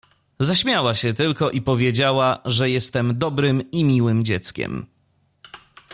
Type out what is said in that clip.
— Zaśmiała się tylko i powiedziała, że jestem dobrym i miłym dzieckiem.